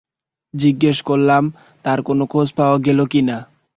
জিগ্যেস করলাম তার কোনো খোঁজ পাওয়া গেল কি না।